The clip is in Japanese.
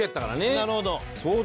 なるほど。